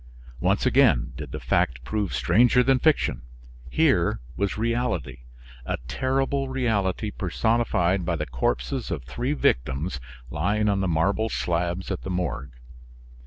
Once again did the fact prove stranger than fiction. Here was reality a terrible reality personified by the corpses of three victims lying on the marble slabs at the Morgue.